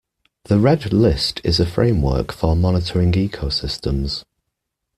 The Red List is a framework for monitoring ecosystems.